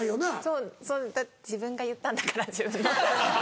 そう自分が言ったんだから自分。